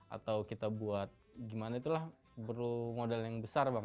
atau kita buat gimana itulah perlu modal yang besar bang